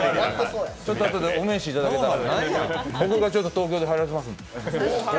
ちょっとあとでお名刺いただけたら僕が東京ではやらせますんで。